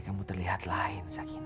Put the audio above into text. betulkah itu kang